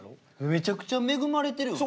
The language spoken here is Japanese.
めちゃくちゃ恵まれてるよな。